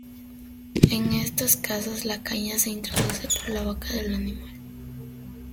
En estos casos, la caña se introduce por la boca del animal.